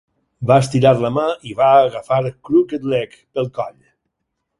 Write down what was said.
Va estirar la mà i va agafar Crooked-Leg pel coll.